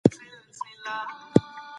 زه خپل ښار پاک ساتم.